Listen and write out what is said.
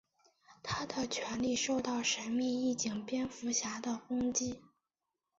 他的权力受到神秘义警蝙蝠侠的攻击。